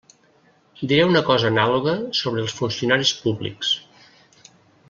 Diré una cosa anàloga sobre els funcionaris públics.